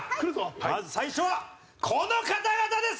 まず最初はこの方々です。